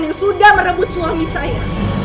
yang sudah merebut suami saya